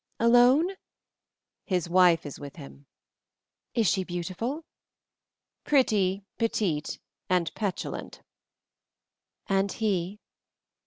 "Alone?" "His wife is with him." "Is she beautiful?" "Pretty, petite, and petulant." "And he?"